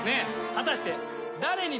果たして。